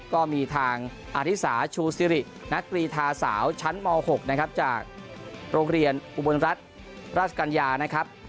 ก็มีทางอาธิสาชูซิรินักกรีธาสาวชั้นม๖นะครับจากโรงเรียนอุบลรัฐราชกัญญานะครับ